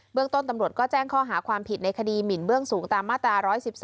เรื่องต้นตำรวจก็แจ้งข้อหาความผิดในคดีหมินเบื้องสูงตามมาตรา๑๑๒